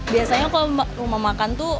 biasanya kalau rumah makan tuh